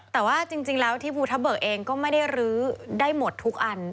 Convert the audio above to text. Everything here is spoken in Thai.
แต่ว่าจริงแล้วที่ภูทะเบิกเองก็ไม่ได้ลื้อได้หมดทุกอัน